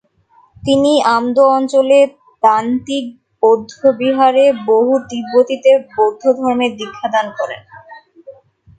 তিনি আমদো অঞ্চলে দান-তিগ বৌদ্ধবিহারে বহু তিব্বতীদের বৌদ্ধধর্মে দীক্ষাদান করেন।